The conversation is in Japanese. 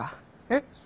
えっ？